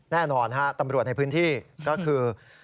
แน่นอนฮะตำรวจในพื้นที่ก็คือ